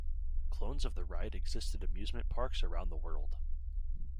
Clones of the ride exist at amusement parks around the world.